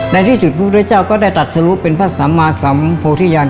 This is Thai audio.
ในที่สุดพุทธเจ้าก็ได้ตัดทะลุเป็นพระสัมมาสัมโพธิยัน